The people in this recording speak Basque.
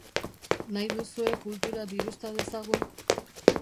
Nahi duzue Kultura diruzta dezagun?